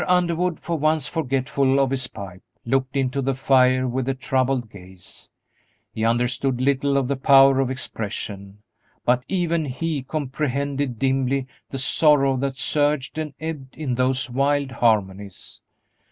Underwood, for once forgetful of his pipe, looked into the fire with a troubled gaze; he understood little of the power of expression, but even he comprehended dimly the sorrow that surged and ebbed in those wild harmonies.